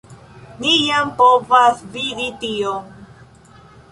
Ni jam povas vidi tion.